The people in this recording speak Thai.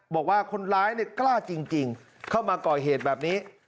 บอกว่าคนร้ายกล้าจริงเข้ามาก่อเหตุแบบนี้